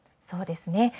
そうですね。